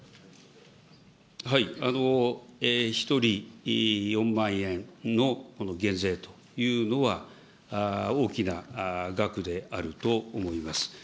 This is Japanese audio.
１人４万円のこの減税というのは、大きな額であると思います。